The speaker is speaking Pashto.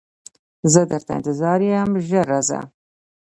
زه درته انتظار یم ژر راځه